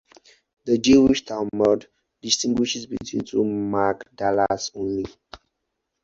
The Jewish "Talmud" distinguishes between two Magdalas only.